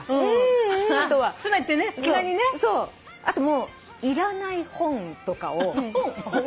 あともういらない本とかを。